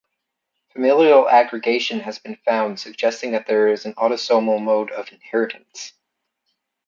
Familial aggregation has been found suggesting that there is an autosomal mode of inheritance.